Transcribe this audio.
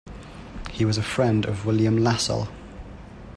He was a friend of William Lassell.